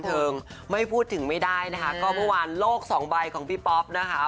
ถืองไม่พูดถึงไม่ได้นะฮะก็พอวานโรคสองใบของพี่ป๊อบนะฮะ